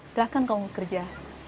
biarkan kamu bekerja